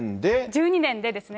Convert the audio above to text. １２年でですね。